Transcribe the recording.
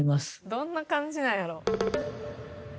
「どんな感じなんやろ？」